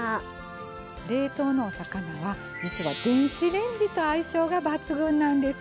冷凍のお魚は実は電子レンジと相性が抜群なんです。